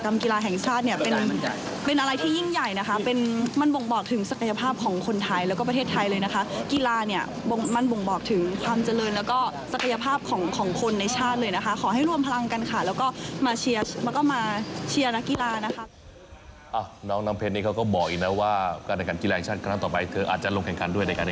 มาดูเชียร์คอนโดกันบ้างนะคะที่บึงประเพจค่ะ